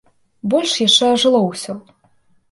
Больш яшчэ ажыло ўсё.